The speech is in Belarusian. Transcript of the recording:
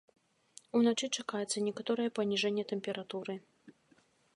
Уначы чакаецца некаторае паніжэнне тэмпературы.